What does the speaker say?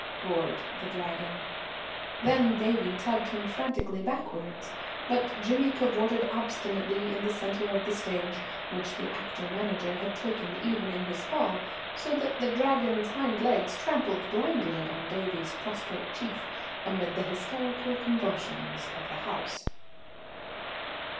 roared the Dragon. Then Davie tugged him frantically backwards, but Jimmy cavorted obstinately in the centre of the stage, which the actor manager had taken even in his fall, so that the Dragon's hind legs trampled blindly on Davie's prostrate chief, amid the hysterical convulsions of the house.